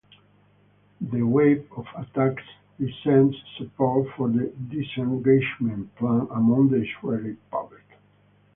The wave of attacks lessened support for the disengagement plan among the Israeli public.